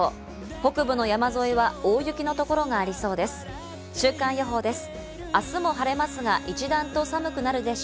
北部の山沿いは大雪のところがありそうです。